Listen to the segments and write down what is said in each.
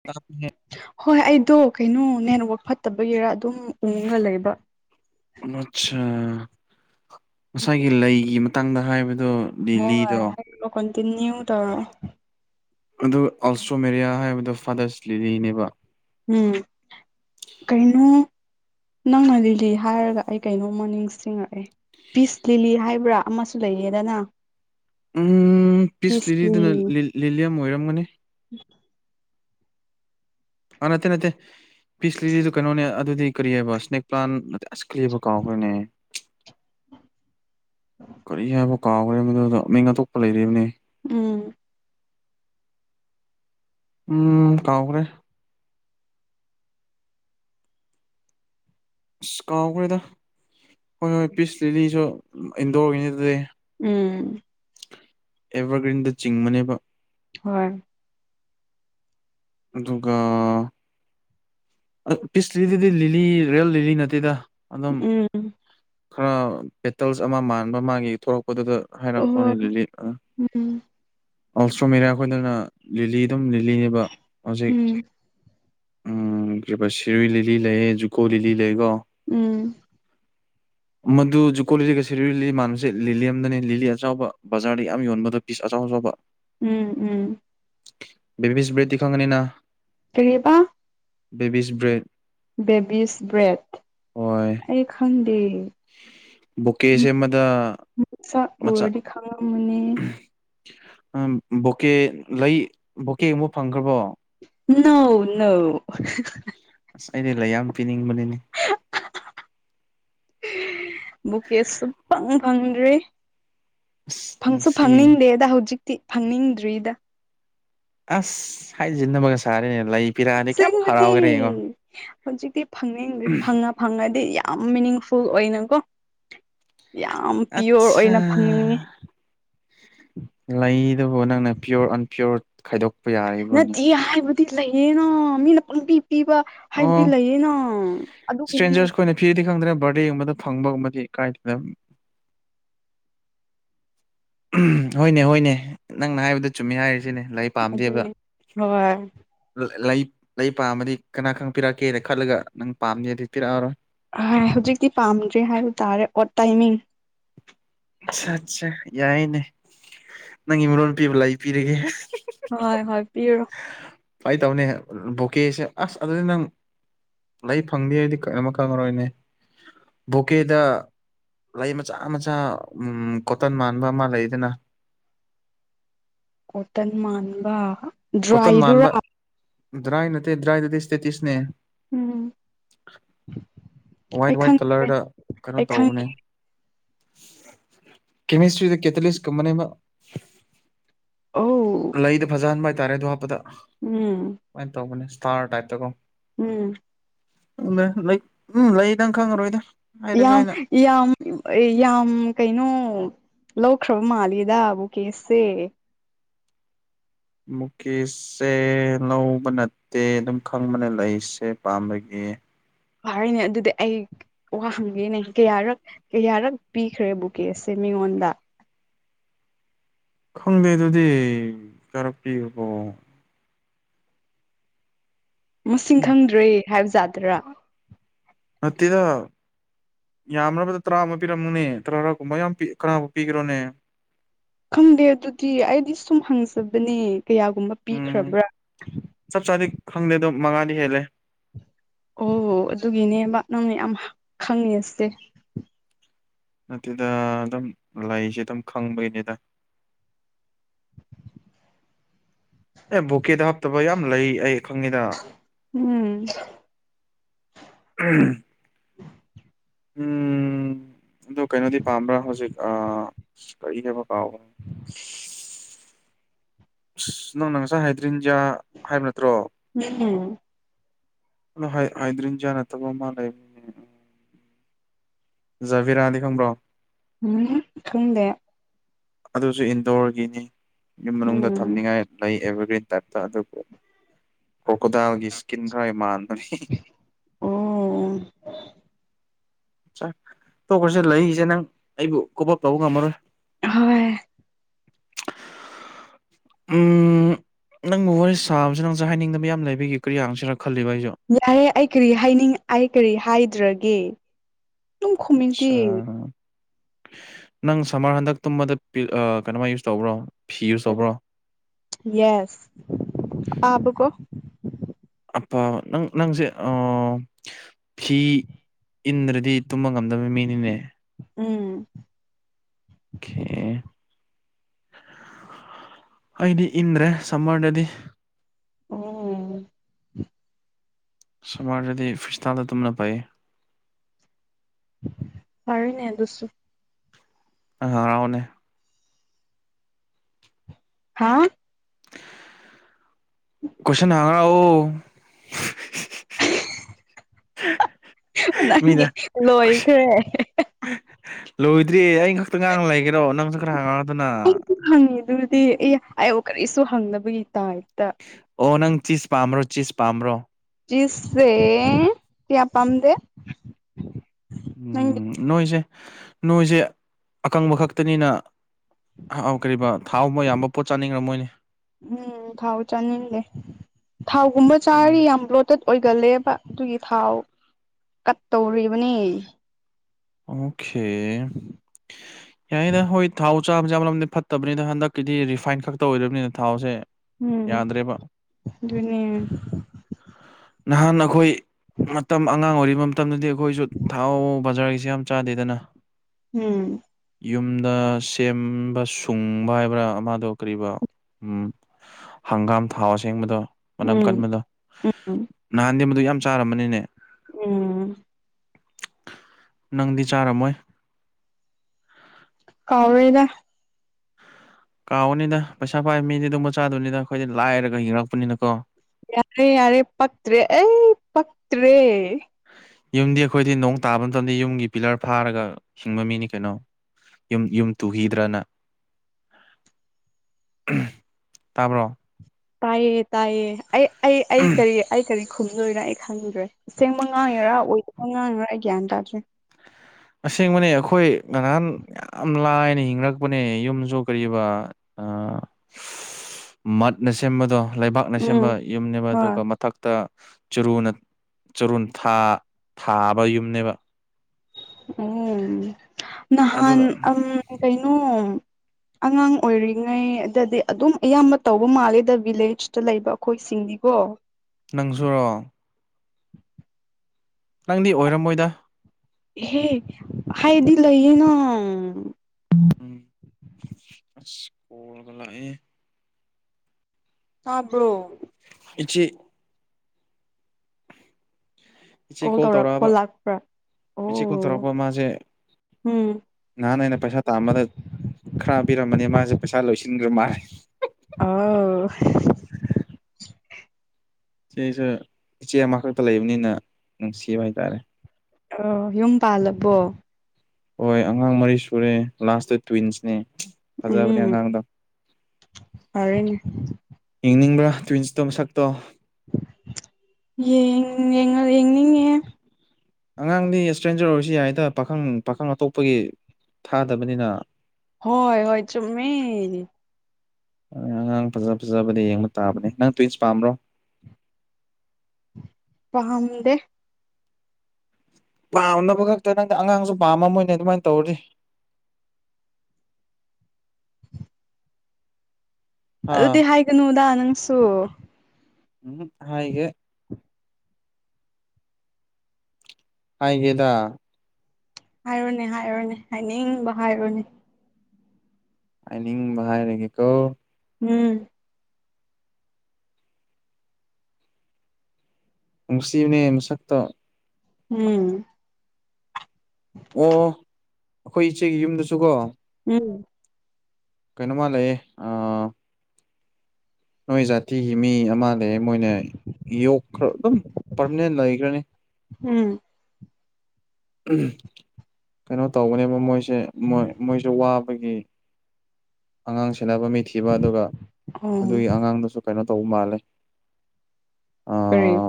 [inaudible] ꯍꯣꯏ ꯑꯩꯗꯣ ꯀꯩꯅꯣ ꯅꯦꯠꯋꯥꯛ ꯐꯠꯇꯕꯒꯤꯔꯥ ꯑꯗꯨꯝ ꯎꯒ ꯂꯩꯕ ꯑꯠꯆꯥꯥ ꯉꯁꯥꯏꯒꯤ ꯂꯩꯒꯤ ꯃꯇꯥꯡꯗ ꯍꯥꯏꯕꯗꯣ ꯍꯣꯏ ꯂꯤꯂꯤꯗꯣ ꯍꯥꯏ ꯀꯟꯇꯤꯅꯤ꯭ꯌꯨ ꯇꯧ ꯑꯗꯨ ꯑꯜꯁꯇ꯭ꯔꯣꯃꯦꯔꯤꯌꯥ ꯍꯥꯏꯕꯗꯣ ꯐꯥꯗꯔꯁ ꯂꯤꯔꯤꯅꯦꯕ꯫ ꯎꯝ ꯀꯩꯅꯅꯣ ꯅꯪ ꯃꯥ ꯂꯤ ꯍꯥꯏꯔꯒ ꯑꯩ ꯀꯩꯅꯣꯝꯃ ꯅꯤꯡꯁꯤꯡꯉꯛꯑꯦ ꯄꯤꯁ ꯂꯤꯂꯤ ꯍꯥꯏꯕ꯭ꯔꯥ ꯑꯃꯁꯨ ꯂꯩꯌꯦꯗꯅ ꯎꯝ ꯄꯤꯁ ꯂꯤꯂꯤꯗꯨꯅ ꯂꯤ ꯂꯤꯂꯤ ꯑꯃ ꯑꯣꯏꯔꯝꯒꯅꯤ꯫ [unintelligible] ꯑ ꯅꯠꯇ ꯅꯠꯇ ꯄꯤꯁ ꯂꯤꯂꯤꯗꯨ ꯀꯩꯅꯣꯅꯦ ꯑꯗꯨꯗꯤ ꯀꯔꯤꯑꯕ ꯏꯁꯅꯦꯛ ꯄ꯭ꯂꯥꯟ ꯑꯁ ꯀꯔꯤꯕ ꯀꯥꯎꯈ꯭ꯔꯦꯅꯦ꯫ ꯀꯔꯤ ꯍꯥꯏꯕ ꯀꯥꯎꯒ꯭ꯔꯦ ꯃꯗꯨꯗꯣ ꯃꯤꯡ ꯑꯇꯣꯞꯄ ꯂꯩꯔꯤꯕꯅꯦ꯫ ꯎꯝ꯫ ꯎꯝ ꯀꯥꯎꯈ꯭ꯔꯦ ꯏꯁ ꯀꯥꯎꯒ꯭ꯔꯦꯗ ꯍꯣꯏ ꯍꯣꯏ ꯄꯤꯁ ꯂꯤꯂꯤꯁꯨ ꯏꯟꯗꯣꯔꯒꯤꯅꯤ ꯑꯗꯨꯗꯤ꯫ ꯎꯝ꯫ ꯑꯦꯕꯔꯒ꯭ꯔꯤꯟꯗ ꯆꯤꯡꯕꯅꯦꯕ ꯍꯣꯏ ꯑꯗꯨꯒ ꯄꯤꯁꯂꯤꯗꯨꯗꯤ ꯂꯤꯂꯤ ꯔꯤꯌꯦꯜ ꯂꯤꯂꯤ ꯅꯠꯇꯦꯗ ꯑꯗꯨꯝ ꯎꯝ ꯈꯔ ꯄꯦꯇꯜꯁ ꯑꯃ ꯃꯥꯟꯕ ꯃꯥꯒꯤ ꯊꯣꯛꯂꯛꯄꯗꯨꯗ꯫ ꯑꯣꯍꯣ ꯍꯥꯏꯔꯛꯄꯅꯤ ꯑꯗꯨꯗꯤ ꯑ ꯎꯝ ꯑꯜꯁꯇ꯭ꯔꯣ ꯃꯦꯔꯤꯌꯥ ꯑꯩꯈꯣꯏꯗꯅ ꯂꯤꯂꯤ ꯑꯗꯨꯝ ꯂꯤꯂꯤꯅꯦꯕ꯫ ꯍꯧꯖꯤꯛ ꯎꯝ ꯑꯗꯨꯒ ꯁꯤꯔꯨꯏ ꯂꯤꯂꯤ ꯂꯩꯌꯦꯦ ꯖꯨꯀꯣ ꯂꯤꯂꯤ ꯂꯩꯀꯣ ꯎꯝ꯫ [inaudible] ꯃꯗꯨ ꯖꯀꯣ ꯂꯤꯂꯤꯒ ꯁꯤꯔꯣꯏ ꯂꯤꯂꯤ ꯃꯥꯟꯕꯁꯦ ꯂꯤꯂꯤ ꯑꯃꯗꯅꯦ ꯂꯤꯂꯤ ꯑꯆꯥꯎꯕ ꯕꯖꯥꯔꯗ ꯌꯥꯝ ꯌꯣꯟꯕꯗꯣ ꯄꯤꯁ ꯑꯆꯧ ꯑꯆꯧꯕ꯫ ꯎꯝ ꯎꯝ꯫ ꯕꯤꯕꯤꯁ ꯕ꯭ꯔꯦꯗꯤꯤ ꯈꯪꯒꯅꯤꯅ ꯀꯕ ꯕꯕꯤꯁ ꯕ꯭ꯔꯦꯠ ꯕꯦꯕꯤꯁ ꯕ꯭ꯔꯦꯗ ꯑꯩ ꯈꯪꯗꯦ꯫ ꯕꯨꯀꯦ ꯁꯦꯝꯕꯗ ꯃꯁꯛ ꯃꯆꯥ ꯎꯔꯗꯤ ꯈꯪꯉꯝꯃꯅꯤ ꯎꯝ ꯕꯣꯀꯦ ꯂꯩ ꯕꯣꯀꯦꯒꯨꯝꯕ ꯐꯪꯈ꯭ꯔꯕꯣ꯫ ꯅꯧ ꯅꯧ ꯑꯁ ꯑꯩꯗꯤ ꯂꯩ ꯌꯥꯝ ꯄꯤꯅꯤꯡꯕꯅꯤꯅꯦ꯫ ꯕꯨꯀꯦ ꯁ ꯐꯪ ꯐꯪꯗ꯭꯭ꯔꯔꯤ ꯑꯁ ꯐꯪꯁꯨ ꯅꯨꯡꯁꯤ ꯐꯪꯅꯤꯡꯗꯦꯗ ꯍꯧꯖꯤꯛꯇꯤ ꯐꯪꯅꯤꯡꯗ꯭ꯔꯤꯗ ꯑꯁ ꯍꯥꯏꯖꯤꯅꯕ ꯁꯥꯔꯦ ꯂꯩ ꯄꯤꯔꯛꯑꯗꯤ ꯀꯌꯥꯝ ꯑꯁꯦꯡꯕꯅꯦ ꯍꯔꯥꯎꯒꯅꯤ ꯌꯦꯡꯉꯣ꯫ ꯍꯧꯖꯤꯛꯇꯤ ꯐꯪꯅꯤꯡꯗꯦ ꯐꯪꯉ ꯐꯪꯉꯗꯤ ꯌꯥꯝ ꯃꯤꯅꯤꯡꯐꯨꯜ ꯑꯣꯏꯅꯀꯣ꯫ ꯌꯥꯝ ꯄꯤꯌꯣꯔ ꯑꯠꯁꯥ ꯑꯣꯏꯅ ꯐꯪꯅꯤꯡꯉꯤ ꯂꯩꯗꯨꯕꯨ ꯅꯪꯅ ꯄꯤꯌꯣꯔ ꯑꯟ ꯄꯤꯌꯣꯔ ꯈꯥꯏꯗꯣꯛꯄ ꯌꯥꯏ ꯅꯠꯇꯦ ꯍꯥꯏꯕꯨꯗꯤ ꯂꯩꯌꯦꯅ ꯃꯤꯅ ꯄꯥꯕꯤ ꯄꯤꯕ ꯍꯥꯏꯕꯗꯤ ꯑꯣ ꯂꯩꯌꯦꯅ ꯑꯗꯨꯕꯨꯅꯤ ꯐꯤꯗꯤ ꯈꯪꯗꯔꯦ ꯕꯥꯔꯗꯦꯒꯨꯝꯕꯗ ꯐꯪꯕꯒꯨꯝꯕꯗꯤ ꯀꯥꯏꯗ [unintelligible] ꯍꯣꯏꯅꯦ ꯍꯣꯏꯅꯦ ꯅꯪꯅ ꯍꯥꯏꯕꯗꯣ ꯆꯨꯝꯃꯤ ꯍꯥꯏꯔꯤꯁꯤꯅꯦ ꯂꯥꯏ ꯄꯥꯝꯗꯦꯕ ꯑꯗꯨꯅꯦ ꯍꯣꯏ ꯂꯩ ꯂꯩ ꯄꯥꯝꯃꯗꯤ ꯀꯅꯥ ꯈꯪ ꯄꯤꯔꯛꯀꯦꯅ ꯈꯜꯂꯒ ꯅꯪ ꯄꯥꯝꯅꯦ ꯑꯗꯨ ꯄꯤꯔꯛꯑꯔꯣꯏ ꯍꯧꯖꯤꯛꯇꯤ ꯄꯥꯝꯗ꯭ꯦ ꯍꯥꯏꯕ ꯇꯥꯔꯦ ꯑꯣꯠ ꯇꯥꯏꯃꯤꯡ ꯑꯠꯆꯥ ꯑꯠ ꯌꯥꯏꯅꯦ ꯅꯪꯒꯤ ꯃꯤꯣꯟ ꯄꯤꯕ ꯂꯥꯏ ꯄꯤꯔꯒꯦ ꯍꯣꯏ ꯍꯣꯏ ꯄꯤꯔꯨꯔꯣ꯫ ꯐꯥꯏꯇꯧꯅꯦ ꯕꯣꯀꯦꯁꯦ ꯑꯁ ꯑꯗꯨꯗꯤ ꯅꯪ꯫ ꯂꯩ ꯐꯪꯗꯤꯦ ꯍꯥꯏꯗꯤ ꯀꯔꯤ ꯑꯃ ꯈꯪꯉꯔꯣꯏꯅꯦ ꯣꯀꯦꯗ ꯂꯩ ꯃꯆꯥ ꯃꯆꯥ ꯎꯝ ꯀꯣꯇꯟ ꯃꯥꯟꯕ ꯑꯃ ꯂꯩꯗꯅ꯫ ꯀꯣꯇꯟ ꯃꯥꯟꯕ꯫ ꯀꯣꯇꯟ ꯃꯥꯟꯕ ꯗ꯭ꯔꯥꯏꯗꯨꯔꯥ ꯗ꯭ꯔꯥꯏ ꯅꯠꯇꯦ ꯗ꯭ꯔꯥꯏꯗꯗꯤ ꯏꯁꯇꯦꯇꯤꯁꯅꯦ ꯎꯝ ꯋꯥꯏꯠ ꯑꯩ ꯋꯥꯏꯠ ꯈꯪꯗ꯭ꯔꯦ ꯀꯂ꯭ꯔꯗ꯫ ꯈꯔ ꯑꯩ ꯈꯪ ꯇꯧꯕꯅꯦ ꯀꯦꯃꯤꯁꯇ꯭ꯔꯤꯗ ꯀꯦꯇꯂꯤꯁ ꯀꯨꯝꯕꯅꯦꯕ꯫ ꯑ ꯂꯩꯗ ꯐꯖꯍꯟꯕ ꯍꯥꯏꯇꯥꯔꯦ ꯑꯗꯣ ꯍꯥꯞꯄꯗ ꯎꯝ ꯁꯃꯥꯏꯅ ꯇꯧꯕꯅꯦ ꯏꯁꯇꯥꯔ ꯇꯥꯏꯞꯇꯀꯣ꯫ ꯎꯝ ꯎ ꯂꯩ ꯎꯝ ꯂꯩꯗꯪ ꯈꯪꯉꯔꯣꯏꯗ ꯍꯥꯏꯔꯁꯨ ꯌꯥꯝ ꯑꯩꯅ ꯌꯥꯝ ꯌꯥꯝ ꯀꯩꯅꯣ꯫ ꯂꯧꯈ꯭ꯔꯕ ꯃꯥꯜꯂꯤꯦꯗꯕꯨ ꯀꯦꯁꯁꯦ ꯃꯨꯀꯦꯁ꯫ ꯁꯦ ꯂꯧꯕ ꯅꯠꯇꯦ ꯑꯗꯨꯝ ꯈꯪꯕꯅꯦ ꯂꯩꯁꯦ ꯄꯥꯝꯕꯒꯤ꯫ ꯐꯅꯦ ꯑꯗꯨꯗꯤ ꯑꯩ ꯋꯥꯡꯗꯦꯅꯦ ꯀꯌꯥꯔꯛ ꯀꯌꯥꯔꯛ ꯄꯤꯈ꯭ꯔꯦ ꯕꯨꯀꯦꯁꯦ ꯃꯤꯉꯣꯟꯗ ꯈꯪꯗꯦ ꯑꯗꯨꯗꯤ ꯀꯔꯛꯄꯤꯔꯕꯣ ꯃꯁꯤꯡ ꯈꯪꯗ꯭ꯔꯦ ꯍꯥꯏꯕꯖꯥꯗ꯭ꯔꯥ ꯍꯠꯇꯤꯗ ꯌꯥꯝꯕꯗ ꯇꯔꯥ ꯑꯃ ꯄꯤꯔꯝꯅꯨꯅꯦ ꯇꯔꯥꯔꯥꯒꯨꯝꯕ ꯌꯥꯝ ꯄ ꯀꯅꯥꯐꯥꯎ ꯄꯤꯈ꯭ꯔꯣꯅꯦ ꯈꯪꯗꯦ ꯑꯗꯨꯗꯤ ꯑꯩꯗꯤ ꯁꯨꯝ ꯍꯪꯖꯕꯅꯦ ꯀꯌꯥꯒꯨꯝꯕ ꯄꯤꯈ꯭ꯔꯕ꯭ꯔꯥ ꯆꯥꯛ ꯆꯥꯔꯦ ꯈꯪꯗꯦ ꯑꯗꯣ ꯃꯉꯥꯅꯤ ꯍꯦꯜꯂꯦ ꯑꯣ ꯑꯗꯨꯒꯤꯅꯦꯕ ꯅꯪꯅ ꯌꯥꯝ ꯈꯪꯉꯦꯦ ꯑꯗꯨꯗ ꯑꯗꯨꯝ ꯂꯩꯁꯦ ꯑꯗꯨꯝ ꯈꯪꯕꯒꯤꯅꯤꯗ ꯑꯦ ꯕꯣꯀꯦꯗ ꯍꯥꯞꯇꯕ ꯌꯥꯝ ꯂꯩ ꯑꯩ ꯈꯪꯉꯤꯗ ꯎꯝ ꯎꯝ ꯎꯝ ꯑꯣ ꯀꯩꯅꯣꯗꯤ ꯄꯥꯝꯕ꯭ꯔꯥ ꯍꯧꯖꯤꯛ ꯀꯔꯤꯅꯦꯕ ꯄꯥꯎ ꯑꯁ ꯅꯪꯅ ꯉꯁꯥꯏ ꯍꯥꯏꯗ꯭ꯔꯤꯟꯌꯥ ꯍꯥꯏꯕ ꯅꯠꯇ꯭ꯔꯣ ꯎꯝ ꯎꯝ ꯍꯗ꯭ꯔꯤꯟꯖ ꯅꯠꯇꯕ ꯃꯥ ꯂꯩ ꯖꯕꯤꯔꯥꯗꯤ ꯈꯪꯕ꯭ꯔꯣ ꯃꯅ ꯊꯨꯡꯗꯦ ꯑꯗꯨꯁꯨ ꯏꯟꯗꯣꯔꯒꯤꯅꯤ ꯌꯨꯝ ꯃꯅꯨꯡꯗ ꯎꯝ ꯊꯝꯅꯤꯉꯥꯏ ꯂꯩ ꯑꯦꯚꯔꯒ꯭ꯔꯤꯟ ꯇꯥꯏꯞꯇ ꯑꯗꯨꯕꯨ ꯀ꯭ꯔꯣꯀꯣꯗꯥꯏꯜꯒꯤ ꯏꯁꯀꯤꯟ ꯈꯔ ꯃꯥꯟꯥꯟꯕꯅꯤ ꯑꯣ ꯥꯛ ꯇꯣꯛꯈ꯭ꯔꯁꯦ ꯂꯩꯔꯤꯁꯦ ꯅꯪ ꯑꯩꯕꯨ ꯀꯣꯄꯞ ꯇꯧꯕ ꯉꯝꯃꯔꯣꯏ ꯍꯣꯏ ꯎꯝ ꯅꯪꯕꯨ ꯋꯥꯔꯤ ꯁꯥꯕꯁꯤ ꯅꯪꯁꯦ ꯍꯥꯏꯅꯤꯡꯗꯕ ꯌꯥꯝ ꯂꯩꯕꯤꯒꯤ ꯀꯔꯤꯌꯥꯁꯤꯔ ꯈꯜꯂꯤꯕ ꯑꯩꯁꯨ ꯌꯥꯔꯦ ꯑꯩ ꯀꯔꯤ ꯍꯥꯏꯅꯤꯡ ꯑꯩ ꯀꯔꯤ ꯍꯥꯏꯗ꯭ꯔꯒꯦ ꯑꯗꯨꯝ ꯈꯨꯝꯃꯤꯗꯤ ꯑꯆꯥ ꯅꯪ ꯁꯝꯃꯔ ꯍꯟꯗꯛ ꯇꯨꯝꯕꯗ ꯀꯩꯅꯣꯃ ꯌꯨꯁ ꯇꯧꯕ꯭ꯔꯣ ꯐꯤ ꯌꯨꯁ ꯇꯧꯕ꯭ꯔꯣ ꯌꯦꯁ ꯄꯥꯕꯀꯣ ꯑ ꯅꯪ ꯅꯪꯁꯦ ꯑ ꯐꯤ ꯏꯟꯗ꯭ꯔꯗꯤ ꯇꯨꯝꯕ ꯉꯝꯗꯕ ꯃꯤꯅꯤꯅꯦ ꯎꯝ ꯑꯩꯗꯤ ꯏꯟ꯭ꯔꯦ ꯁꯃꯔꯗꯗꯤ ꯎꯝ ꯁꯨꯃꯥꯔꯗꯗꯤ ꯐ꯭ꯔꯤꯁꯇꯥꯜꯗ ꯇꯨꯝꯅ ꯐꯩꯌꯦ ꯄꯔꯦꯅꯦ ꯑꯗꯨꯁꯨ ꯑꯔꯥꯎꯅꯦ ꯍꯥꯥ ꯀꯣꯏꯁꯪ ꯍꯪꯂꯛꯑꯣ [unintelligible] ꯅꯪꯒꯤ ꯂꯣꯏꯈ꯭ꯔꯦ ꯂꯣꯏꯗ꯭ꯔꯤ ꯑꯩ ꯈꯛꯇ ꯉꯥꯡꯅ ꯂꯩꯒꯦꯔꯣ ꯅꯪꯁꯨ ꯈꯔ ꯍꯥꯡꯉꯗꯅ ꯍꯪꯉꯤ ꯑꯗꯨꯗꯤ ꯑꯦ ꯑꯩꯌꯨ ꯀꯔꯤꯁꯨ ꯍꯪꯅꯕꯒꯤ ꯇꯥꯏꯞꯇ ꯑꯣ ꯅꯪ ꯆꯤꯁ ꯄꯥꯝꯕ꯭ꯔꯣ ꯆꯤꯁ ꯄꯥꯝꯕ꯭ꯔꯣ꯫ ꯆꯤꯁꯁꯦ ꯀꯤꯌꯥ ꯄꯝꯗꯦ ꯎꯝ ꯅꯣꯏꯁꯦ ꯅꯣꯏꯁꯦ ꯑꯀꯪꯕ ꯈꯛꯇꯅꯤꯅ ꯑꯥꯎ ꯀꯔꯤꯕ ꯊꯥꯎꯨꯝꯕ ꯑꯌꯥꯝꯕ ꯄꯣꯠ ꯆꯥꯅꯤꯡꯈ꯭ꯔ ꯃꯣꯏꯅꯦ ꯎꯝ ꯊꯥꯎ ꯆꯥꯅꯤꯡꯂꯦ ꯊꯥꯎꯒꯨꯝꯕ ꯆꯥꯔꯤ ꯎꯝ ꯌꯥꯝ ꯕ꯭ꯂꯣꯇꯦꯠ ꯑꯣꯏꯒꯜꯂꯦꯕ ꯑꯗꯨꯒꯤ ꯊꯥꯎ ꯀꯠ ꯇꯧꯔꯤꯕꯅꯤ ꯑꯣꯀꯦ ꯌꯥꯗ ꯍꯣꯏ ꯊꯥꯎ ꯆꯥꯕꯁꯦ ꯑꯃꯔꯣꯝꯗ ꯐꯠꯇꯕꯅꯤꯅ ꯍꯟꯗꯛꯀꯤꯗꯤ ꯔꯤꯐꯥꯏꯟ ꯈꯛꯇ ꯑꯣꯏꯗꯅꯤꯅ ꯊꯥꯎꯁꯦ ꯎꯝ ꯌꯥꯗ꯭ꯔꯦꯕ ꯑꯗꯨꯅꯦ ꯅꯍꯥꯟ ꯑꯩꯈꯣꯏ ꯃꯇꯝ ꯑꯉꯥꯡ ꯑꯣꯏꯔꯤꯔꯤꯕ ꯃꯇꯝꯗꯗꯤ ꯑꯩꯈꯣꯏꯁꯨ ꯊꯥꯎ ꯕꯖꯥꯔꯒꯤ ꯁꯤ ꯌꯥꯝ ꯆꯥꯗꯦꯗꯅ ꯎꯝ ꯌꯨꯝꯗ ꯁꯦꯝꯕ ꯁꯨꯡꯕ ꯍꯥꯏꯕ꯭ꯔꯥ ꯑꯃꯗꯣ ꯀꯔꯤꯕ ꯎꯝ ꯍꯪꯒꯥꯝ ꯊꯥꯎ ꯑꯁꯦꯡꯕꯗꯣ ꯃꯅꯝ ꯎꯝ ꯀꯟꯕꯗꯣ ꯎꯝ ꯅꯍꯥꯟꯗꯤ ꯃꯗꯨ ꯌꯥꯝ ꯆꯥꯔꯝꯕꯅꯤꯅꯦ ꯎꯝ ꯅꯪꯗꯤ ꯆꯥꯔꯝꯃꯣꯏ ꯀꯥꯎꯋꯣꯏꯗ ꯀꯥꯎꯋꯅꯤꯅ ꯄꯩꯁꯥ ꯄꯥꯏ ꯃꯤꯅꯤ ꯑꯗꯨꯝ ꯃꯆꯥꯗꯨꯅꯤꯗ ꯑꯩꯈꯣꯏꯗꯤ ꯂꯥꯏꯔꯒ ꯍꯡꯉꯛꯄꯅꯤꯅꯀꯣ ꯌꯥꯔꯦ ꯌꯥꯔꯦ ꯄꯛꯇ꯭ꯔꯦ ꯑꯩ ꯄꯛꯇ꯭ꯔꯦ ꯌꯨꯝꯗꯤ ꯑꯩꯈꯣꯏꯗꯤ ꯅꯣꯡ ꯇꯥꯕ ꯃꯇꯝꯗ ꯌꯨꯝꯒꯤ ꯄꯤꯂꯔ ꯐꯥꯔꯒ ꯍꯤꯡꯕ ꯃꯤꯅꯤ ꯀꯩꯅꯣ ꯌꯨꯝ ꯌꯨꯝ ꯇꯨꯈꯤꯒꯗ꯭ꯔꯅ꯫ ꯇꯥꯕ꯭ꯔꯣ ꯇꯥꯏꯌꯦ ꯇꯥꯏꯌꯦ ꯑꯩ ꯑꯩ ꯑꯩ ꯀꯔꯤ ꯑꯩ ꯀꯔꯤ ꯈꯨꯝꯗꯣꯏꯅꯣ ꯑꯩ ꯈꯪꯗ꯭ꯔꯦ꯫ ꯑꯁꯦꯡꯕ ꯉꯥꯡꯉꯦꯔꯥ ꯑꯣꯏꯗꯕ ꯉꯥꯡꯉꯔꯥ ꯒ꯭ꯌꯥꯟ ꯇꯥꯗꯩ ꯑꯁꯦꯡꯕꯅꯤ ꯑꯩꯈꯣꯏ ꯅꯍꯥꯟ ꯌꯥꯝ ꯂꯥꯏꯅ ꯍꯤꯡꯅꯔꯛꯄꯅꯦ ꯌꯨꯝꯁꯨ ꯀꯔꯤꯕ ꯑ ꯃꯠꯅ ꯁꯦꯝꯕꯗꯣ ꯂꯩꯕꯥꯛꯅ ꯎꯝ ꯁꯦꯝꯕ ꯌꯨꯝꯅꯦꯕ ꯍꯣꯏ ꯑꯗꯨꯒ ꯊꯛꯇ ꯆꯨꯔꯨꯅ ꯆꯔꯨ ꯊꯥ ꯊꯥꯕ ꯌꯨꯝꯅꯦꯕ ꯎꯝ ꯅꯍꯥꯟ ꯑꯗꯨꯗ ꯑ ꯀꯩꯅꯩꯅꯣ ꯑꯉꯥꯡ ꯑꯣꯏꯔꯤꯉꯩ ꯑꯗꯗꯤ ꯑꯗꯨꯝ ꯑꯌꯥꯝꯕ ꯇꯧꯕ ꯃꯥꯜꯂꯦꯗ ꯚꯤꯂꯦꯖ ꯇ ꯂꯩꯕ ꯑꯩꯈꯣꯏꯁꯤꯡꯗꯤꯀꯣ ꯅꯪꯁꯨꯨꯔꯣꯑꯣ ꯅꯪꯗꯤ ꯑꯣꯏꯔꯝꯃꯣꯏꯗ ꯍꯦ ꯍꯥꯏꯗꯤ ꯂꯩꯌꯦꯅ ꯎꯝ ꯑꯁ ꯀꯣꯜꯒ ꯂꯥꯛꯏ ꯇꯥꯕ꯭ꯔꯣ ꯏꯆꯤ꯫ ꯏꯆꯦ ꯀꯣꯜ ꯇꯧꯔꯛꯄ ꯇꯧꯔꯛꯑꯕ ꯂꯥꯛꯄ꯭ꯔꯥ ꯏꯆꯦ ꯀꯣꯜ ꯑꯣ ꯇꯧꯔꯛꯄ ꯃꯥꯁꯦ ꯎꯝ ꯅꯍꯥꯟ ꯑꯩꯅ ꯄꯩꯁꯥ ꯇꯥꯟꯕꯗ ꯈꯔꯥꯄꯤꯔꯝꯕꯅꯤ ꯃꯥꯁꯦ ꯄꯩꯁꯥ ꯂꯣꯏꯁꯤꯟꯈ꯭ꯔ ꯃꯥꯜꯂꯦ ꯑꯣ ꯑꯩꯁꯨ ꯏꯆꯦ ꯑꯃꯈꯛꯇ ꯂꯩꯕꯅꯤꯅ ꯅꯨꯡꯁꯤꯕ ꯍꯥꯏꯇꯥꯔꯦ ꯑꯣ ꯌꯨꯝ ꯄꯥꯜꯂꯕꯣ ꯍꯣꯏ ꯑꯉꯥꯡ ꯃꯔꯤ ꯁꯨꯔꯦ ꯂꯥꯁꯇ ꯇ꯭ꯋꯤꯟꯁꯅꯦ ꯐꯖꯕꯅꯦ ꯎꯝ ꯑꯉꯥꯡꯗꯣ ꯐꯔꯦꯅꯦ ꯌꯦꯡꯅꯤꯡꯕ꯭ꯔꯥ ꯇ꯭ꯋꯤꯟꯁꯇꯣ ꯃꯁꯛꯇꯣ ꯌꯦ ꯌꯦꯡꯅꯤꯡꯉꯦ ꯑꯉꯥꯡꯗꯤ ꯏꯁꯇ꯭ꯔꯦꯟꯖꯔ ꯑꯣꯏꯔꯁꯤ ꯌꯥꯏꯗ ꯄꯥꯈꯪ ꯄꯥꯈꯪ ꯑꯇꯣꯞꯄꯒꯤ ꯊꯥꯗꯕꯅꯤꯅ ꯍꯣꯏ ꯍꯣꯏ ꯆꯨꯝꯃꯤ ꯑꯉꯥꯡ ꯐꯖ ꯐꯖꯕꯗ ꯌꯦꯡꯕ ꯇꯥꯕꯅꯦ ꯅꯪ ꯇ꯭ꯋꯟꯁ ꯄꯥꯝꯕ꯭ꯔꯣ ꯄꯝꯗꯦ ꯄꯥꯝꯗꯕ ꯈꯛꯇ ꯅꯪꯗꯤ ꯑꯉꯥꯡꯖꯨ ꯄꯥꯝꯃꯝꯃꯣꯏꯅꯦ ꯑꯗꯨꯃꯥꯏꯅ ꯇꯧꯔꯗꯤ꯫ ꯑꯥ ꯑꯗꯨꯗꯤ ꯍꯥꯏꯒꯅꯨꯗ ꯅꯪꯁꯨ ꯎꯝ ꯍꯥꯢꯒꯦ ꯍꯥꯏꯒꯦꯗ ꯍꯥꯏꯔꯣꯅꯦ ꯍꯥꯏꯔꯣꯅꯦ ꯍꯥꯏꯅꯤꯡꯕ ꯍꯥꯏꯔꯣꯅꯦ꯫ ꯍꯥꯏꯅꯤꯡꯕ ꯍꯥꯏꯔꯒꯦꯀꯣ ꯎꯝ ꯅꯨꯡꯁꯤꯕꯅꯦ ꯃꯁꯛꯇꯣ꯫ ꯎꯝ ꯑꯣ ꯑꯩꯈꯣꯏ ꯏꯆꯦꯒꯤ ꯌꯨꯝꯗꯁꯨꯀꯣ ꯎꯝ ꯀꯩꯅꯣꯃꯜ ꯂꯩꯌꯦ ꯅꯣꯏ ꯖꯥꯇꯤꯒꯤ ꯃꯤ ꯑꯃ ꯂꯩ ꯃꯣꯏꯅ ꯌꯣꯛ ꯈꯔ ꯑꯗꯨꯝ ꯄꯔꯃꯤꯅꯦꯟ ꯂꯩꯈ꯭ꯔꯅꯤ꯫ ꯎꯝ꯫ ꯀꯩꯅꯣ ꯇꯧꯕꯅꯦꯕ ꯃꯣꯏꯁꯦ ꯃꯣꯏ ꯃꯣꯏꯁꯦ ꯋꯥꯕꯒꯤ꯫ ꯑꯉꯥꯡ ꯁꯦꯅꯕ ꯃꯩꯊꯤ ꯊꯤꯕ ꯑꯗꯨꯒ ꯑꯣ ꯑꯗꯨꯒꯤ ꯑꯉꯥꯡꯗꯨꯁꯨ ꯀꯩꯅꯣ ꯇꯧꯕ ꯃꯥꯜꯂꯦ ꯑ ꯎꯝ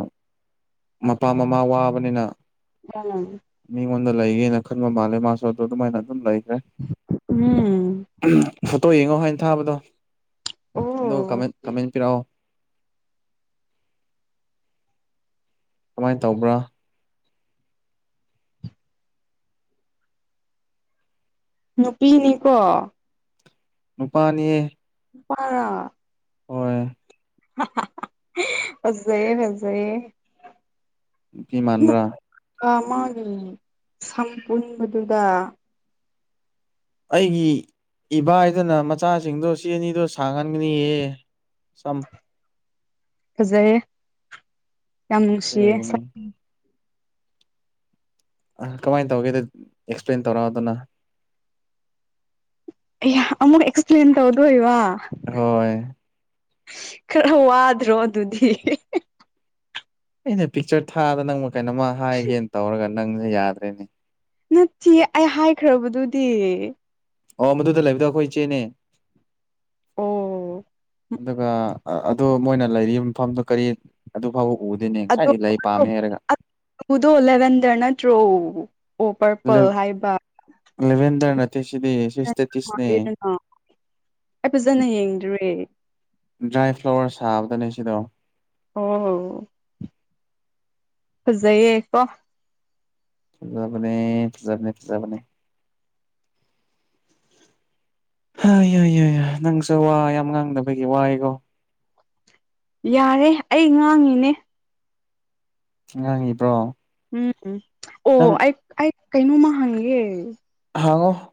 ꯃꯄꯥ ꯃꯃꯥ ꯋꯥꯕꯅꯤꯅ [inaudible] ꯃꯤꯉꯣꯟꯗ ꯂꯩꯒꯦꯅ ꯈꯟꯕ ꯃꯥꯜꯂꯦ ꯃꯥꯁꯨ ꯑꯗꯨ ꯑꯗꯨꯃꯥꯏꯅ ꯑꯗꯨꯝ ꯂꯩ ꯎꯝ ꯐꯣꯇꯣ ꯌꯦꯡꯉꯣ ꯍꯥꯏꯅ ꯊꯥꯕꯗꯣ ꯑꯗꯣ ꯀꯃ ꯑꯣ ꯀꯃꯦꯟ ꯄꯤꯔꯛꯑꯣ ꯀꯃꯥꯏꯅ ꯇꯧꯕ꯭ꯔꯥ ꯅꯨꯄꯤꯅꯤꯀꯣ ꯅꯨꯄꯥꯅꯤꯍꯦ ꯅꯨꯄꯥꯔꯥ ꯍꯣꯏ ꯍꯥ ꯍꯤ ꯐꯥꯖꯩꯌꯦ ꯐꯥꯖꯩꯌꯦ ꯅꯨꯄꯤ ꯃꯥꯟꯕꯔ ꯃꯥꯒꯤ ꯁꯝ ꯄꯨꯟꯕꯗꯨꯗ ꯑꯩꯒꯤ ꯏꯕꯥꯏꯗꯨꯅ ꯃꯆꯥꯁꯤꯡꯗꯣ ꯁꯤ ꯑꯅꯤꯗꯣ ꯁꯥꯡꯍꯟꯒꯅꯤꯌꯦ꯫ ꯁꯝ ꯐꯖꯩꯌꯦ ꯌꯥꯝ ꯅꯨꯡꯁꯤꯌꯦ ꯑ ꯀꯃꯥꯏꯅ ꯇꯧꯒꯦꯗ ꯑꯦꯛꯁꯄ꯭ꯂꯦꯟ ꯇꯧꯔꯛꯑꯣ ꯑꯗꯨꯅ ꯑ ꯑꯃꯛ ꯑꯦꯛꯁ ꯄ꯭ꯂꯦꯟꯟ ꯇꯧꯗꯣ ꯏ ꯋꯥ ꯍꯣꯏ ꯈꯔ ꯋꯥꯗ꯭ꯔꯣ ꯑꯗꯨꯗꯤ ꯑꯩꯅ ꯄꯤꯛꯆꯔ ꯊꯥꯗ ꯅꯪ ꯀꯩꯅꯣꯝꯃ ꯍꯥꯏꯒꯦꯅ ꯇꯧꯔꯒ ꯅꯪꯁꯦ ꯌꯥꯗ꯭ꯔꯦꯅꯦ ꯅꯠꯇꯦꯌ‌ꯦ ꯑꯩ ꯍꯥꯏꯈ꯭ꯔꯕꯗꯨꯗꯤ ꯑꯣ ꯃꯗꯨꯗ ꯂꯩꯕꯗꯣ ꯑꯩꯈꯣꯏ ꯏꯆꯦꯅꯦ ꯑꯣ ꯑꯗꯨꯒ ꯑꯗꯨ ꯃꯣꯏꯅ ꯂꯩꯔꯤꯕ ꯃꯐꯝꯗꯨ ꯀꯔꯤ ꯑꯗꯨ ꯐꯥꯎꯕ ꯎꯗ‌ꯦꯅꯦ ꯑꯗꯣ ꯉꯁꯥꯏꯗꯩ ꯂꯩ ꯄꯥꯝꯃꯦ ꯍꯥꯏꯔꯒ ꯑꯗꯨꯗꯣ ꯂꯦꯚꯦꯟꯗꯔ ꯅꯠꯇ꯭ꯔꯣ ꯑꯣ ꯄꯔꯄꯜ ꯍꯥꯏꯕ ꯂꯦꯚꯦꯟꯗ꯭ꯔ ꯅꯠꯇꯦꯁꯤꯗꯤ꯫ [unintelligible] ꯑꯩ ꯐꯖꯅ ꯌꯦꯡꯗ꯭ꯔꯤ ꯖꯌꯥꯏ ꯐ꯭ꯂꯥꯋꯔ ꯁꯥꯕꯒꯤꯅꯦ ꯁꯤꯗꯣ ꯑꯣ꯫ ꯐꯖꯩꯌꯦꯀꯣ꯫ ꯐꯖꯥꯕꯅꯦ ꯐꯖꯥꯕꯅꯦ ꯐꯖꯥꯕꯅꯦ꯫ ꯅꯪꯁꯨ ꯋꯥ ꯌꯥꯝ ꯉꯥꯡꯗꯕꯒꯤ ꯋꯥꯏ‌ꯌ‌ꯦꯀꯣ ꯌꯥꯔꯦ ꯑꯩ ꯉꯥꯡꯉꯤꯅꯦ ꯉꯥꯡꯉꯤꯕ꯭ꯔꯣ ꯎꯝ ꯑꯣ ꯅꯪ ꯑꯩ ꯑꯩ ꯀꯩꯅꯣꯃ ꯍꯪꯒꯦ꯫ ꯍꯪꯉꯣ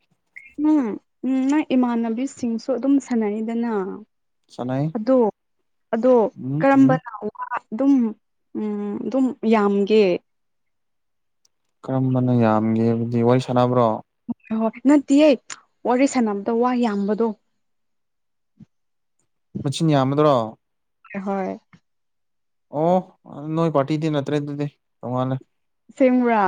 ꯎꯝ ꯎꯝ ꯅꯪ ꯏꯃꯥꯟꯅꯕꯤꯁꯤꯡꯁꯨ ꯑꯗꯨꯝ ꯁꯥꯟꯅꯩꯗꯅ ꯁꯥꯟꯅꯩ ꯑꯗꯣ ꯑꯗꯣ ꯎꯝ ꯎꯝ ꯀꯔꯝꯕꯅ ꯑꯗꯨꯝ ꯎꯝ ꯑꯗꯨꯝ ꯌꯥꯝꯒꯦ ꯀꯔꯝꯕꯅ ꯌꯥꯝꯒꯦ ꯍꯥꯏꯕꯗꯤ ꯋꯥꯔꯤ ꯁꯥꯟꯅꯕ꯭ꯔꯣ ꯍ ꯍꯣꯏ ꯍꯣꯏ ꯅꯠꯇꯤꯌꯦ ꯋꯥꯔꯤ ꯁꯥꯟꯅꯕꯗ ꯋꯥ ꯌꯥꯝꯕꯗꯣ ꯃꯆꯤꯟ ꯌꯥꯝꯕꯗꯨꯔꯣ ꯍꯣꯏ ꯑꯣ ꯅꯣꯏ ꯄꯥꯔꯇꯤꯗꯤ ꯅꯠꯇ꯭ꯔꯦ ꯑꯗꯨꯗꯤ ꯇꯣꯡꯉꯥꯜꯂꯦ ꯑꯁ‌ꯦꯡꯕꯔꯥ